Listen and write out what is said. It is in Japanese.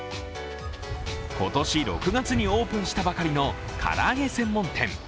今年６月にオープンしたばかりの唐揚げ専門店。